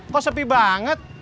kok sepi banget